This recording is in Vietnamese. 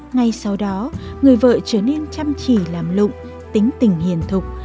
ngay sau đó người vợ trở nên chăm chỉ làm lụng tính tình hiền thục